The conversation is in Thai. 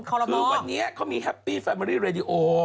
คือวันนี้เขามีแฮปปี้แฟเมอรี่เรดิโอ